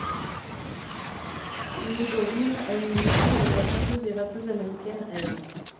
Teodorín a eu une liaison avec la chanteuse et rappeuse américaine Eve.